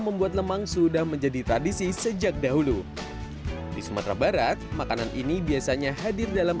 membuat lemang sudah menjadi tradisi sejak dahulu di sumatera barat makanan ini biasanya hadir dalam